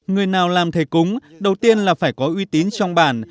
người nào làm thầy cúng đầu tiên là phải có uy tín trong bản